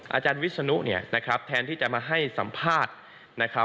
อาจารย์วิศนุแทนที่จะมาให้สัมภาษณ์